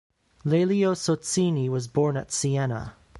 Lelio Sozzini was born at Siena.